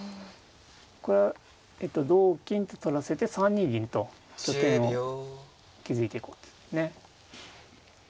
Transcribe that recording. これは同金と取らせて３二銀と拠点を築いていこうというね。